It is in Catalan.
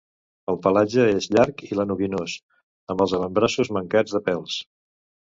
El pelatge és llarg i lanuginós, amb els avantbraços mancats de pèls.